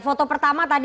foto pertama tadi